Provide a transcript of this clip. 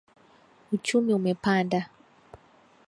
Uchumi umepanda.